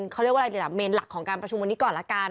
เขาเรียกว่าอะไรดีล่ะเมนหลักของการประชุมวันนี้ก่อนละกัน